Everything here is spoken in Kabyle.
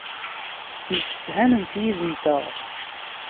Ttemsefhament yid-nteɣ.